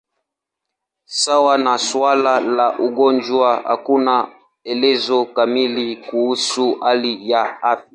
Sawa na suala la ugonjwa, hakuna elezo kamili kuhusu hali ya afya.